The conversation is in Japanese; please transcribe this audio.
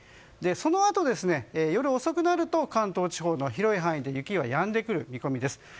そのあと夜遅くなると関東地方の広い範囲で雪はやんでくる見込みです。